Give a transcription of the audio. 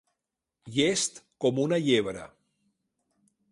Llest com una llebre.